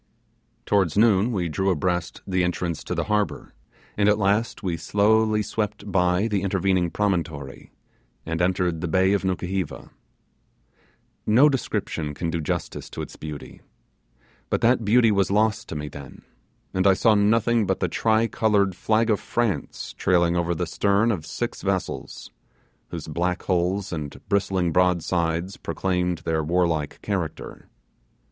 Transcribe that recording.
Towards noon we drew abreast the entrance go the harbour, and at last we slowly swept by the intervening promontory, and entered the bay of Nukuheva. No description can do justice to its beauty; but that beauty was lost to me then, and I saw nothing but the tri coloured flag of France trailing over the stern of six vessels, whose black hulls and bristling broadsides proclaimed their warlike character.